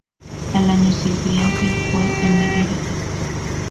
Al año siguiente fue Mrs.